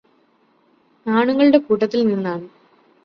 ആണുങ്ങളുടെ കൂട്ടത്തിൽ നിന്നാണ്